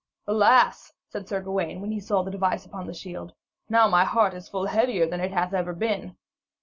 'Alas,' said Sir Gawaine, when he saw the device upon the shield, 'now is my heart full heavier than it hath ever been.'